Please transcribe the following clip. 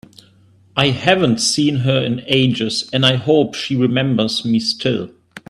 I haven’t seen her in ages, and I hope she remembers me still!